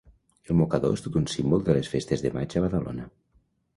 El mocador és tot un símbol de les Festes de Maig a Badalona.